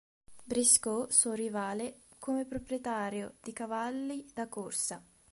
Briscoe, suo rivale come proprietario di cavalli da corsa.